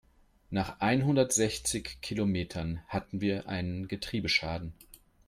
Nach einhundertsechzig Kilometern hatten wir einen Getriebeschaden.